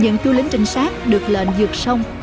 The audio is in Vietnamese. những chú lính trình sát được lệnh dược sông